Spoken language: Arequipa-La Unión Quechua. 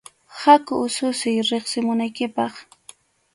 Haku ususiy riqsimunaykipaq.